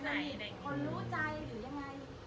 พี่น้องคนรู้ใจหรือยังไง